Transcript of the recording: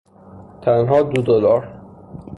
تنها دو دلار